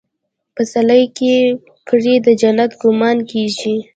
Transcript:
پسرلي کې پرې د جنت ګمان کېږي.